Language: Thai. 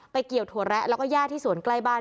เกี่ยวถั่วแระแล้วก็ย่าที่สวนใกล้บ้าน